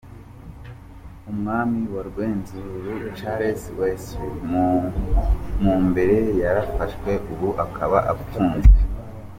Umwami wa Rwenzururu, Charles Wesley Mumbere yarafashwe ubu akaba apfunzwe.